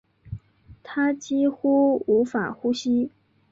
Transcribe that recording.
她几乎无法呼吸